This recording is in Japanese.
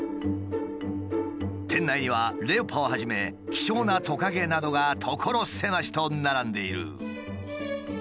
店内にはレオパをはじめ希少なトカゲなどが所狭しと並んでいる。